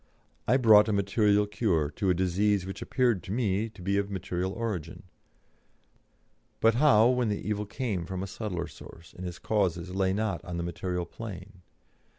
I brought a material cure to a disease which appeared to me to be of material origin; but how when the evil came from a subtler source, and its causes lay not on the material plane?